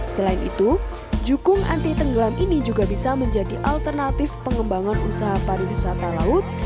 selain itu jukung anti tenggelam ini juga bisa menjadi alternatif pengembangan usaha pariwisata laut